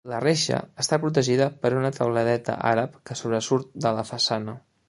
La reixa està protegida per una teuladeta àrab que sobresurt de la façana.